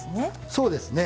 そうですね。